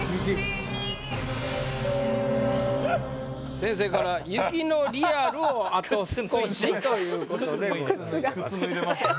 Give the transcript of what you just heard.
先生から「雪のリアルをあと少し！」ということでございます。